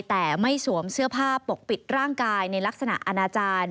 แต่ไม่สวมเสื้อผ้าปกปิดร่างกายในลักษณะอนาจารย์